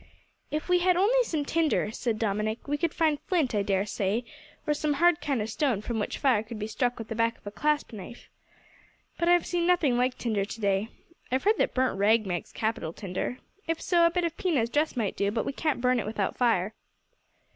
"If we had only some tinder," said Dominick, "we could find flint, I dare say, or some hard kind of stone from which fire could be struck with the back of a clasp knife, but I have seen nothing like tinder to day. I've heard that burnt rag makes capital tinder. If so, a bit of Pina's dress might do, but we can't burn it without fire."